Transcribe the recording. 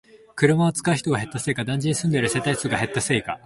車を使う人が減ったせいか、団地に住んでいる世帯数が減ったせいか